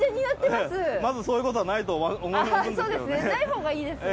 まずそういうことはないと思うんですけど。